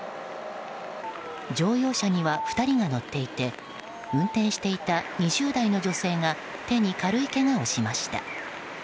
乗用車には２人が乗っていて運転していた２０代の女性が手に軽いけがをしました。